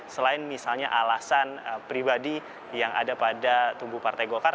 selain misalnya alasan pribadi yang ada pada tubuh partai golkar